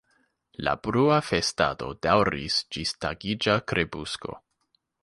La brua festado daŭris ĝis tagiĝa krepusko.